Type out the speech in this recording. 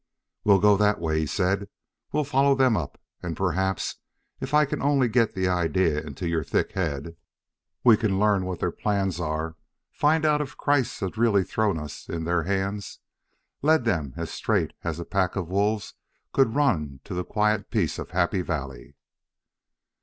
"We'll go that way," he said; "we'll follow them up. And perhaps, if I can only get the idea into your thick head, we can learn what their plans are: find out if Kreiss has really thrown us in their hands led them as straight as a pack of wolves could run to the quiet peace of Happy Valley."